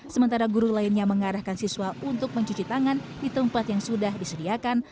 sementara guru lainnya mengarahkan siswa untuk mencuci tangan di tempat yang sudah disediakan